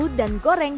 lalu diaduk rata